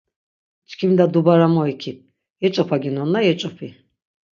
Çkimda dubara mo ikip, yeç̆opaginonna yeç̆opi.